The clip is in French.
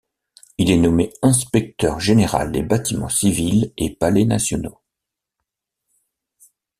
Il est nommé Inspecteur général des bâtiments civils et palais nationaux.